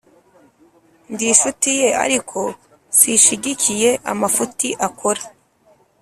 Ndishuti ye ariko sishigikiye amafuti akora